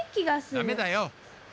ダメだよ！